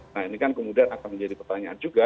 nah ini kan kemudian akan menjadi pertanyaan juga